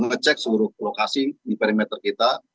ngecek seluruh lokasi di perimeter kita